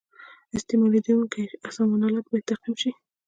استعمالیدونکي سامان آلات باید تعقیم شي.